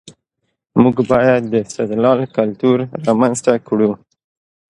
موږ بايد د استدلال کلتور رامنځته کړو.